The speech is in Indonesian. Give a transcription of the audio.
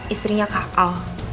istrinya kak al